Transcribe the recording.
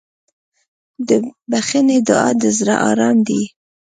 د بښنې دعا د زړه ارام دی.